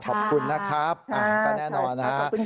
ขอบคุณนะครับก็แน่นอนนะฮะ